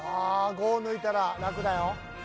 ５抜いたら楽だよ